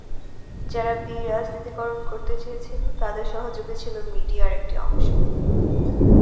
যারা বি রাজনীতিকরণ করতে চেয়েছিল, তাদের সহযোগী ছিল মিডিয়ার একটি অংশ।